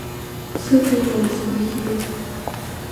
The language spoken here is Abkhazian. Сыблала избахьеит.